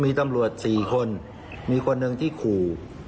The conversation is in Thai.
มีคนมีคนนึงที่ขู่